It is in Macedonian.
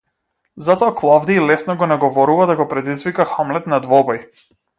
Затоа Клавдиј лесно го наговорува да го предизвика Хамлет на двобој.